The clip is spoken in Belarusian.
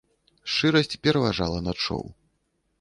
Шчырасць пераважала над шоу.